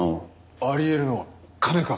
あり得るのは金か。